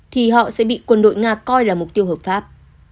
thì họ sẽ bị quân đội nga coi là mục tiêu hợp pháp